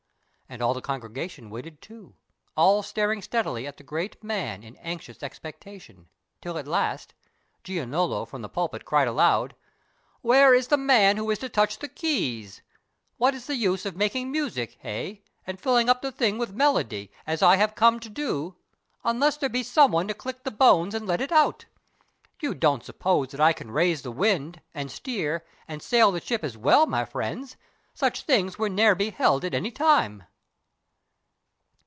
And all the congregation waited too, All staring steadily at the great man In anxious expectation, till at last Giannolo from the pulpit cried aloud: "Where is the man who is to touch the keys? What is the use of making music, hey— And filling up the thing with melody, As I have come to do, unless there be Some one to click the bones and let it out? You don't suppose that I can raise the wind, And steer, and sail the ship as well, my friends. Such things were ne'er beheld at any time."